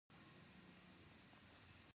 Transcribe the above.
خپل ذهن ته وده ورکړئ.